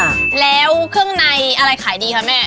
เครื่องในอะไรขายดีคะแม่